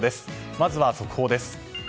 まずは速報です。